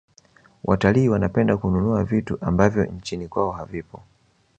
watalii wanapenda kununua vitu ambavyo nchini kwao havipo